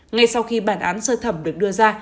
ngay sau khi bản án sơ thẩm được đưa ra